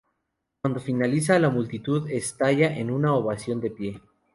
Cuando finaliza, la multitud estalla en una ovación de pie.